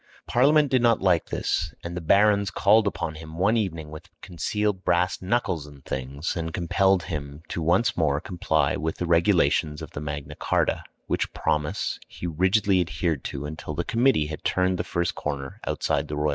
Parliament did not like this, and the barons called upon him one evening with concealed brass knuckles and things, and compelled him to once more comply with the regulations of Magna Charta, which promise he rigidly adhered to until the committee had turned the first corner outside the royal lawn.